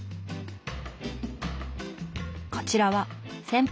こちらは先輩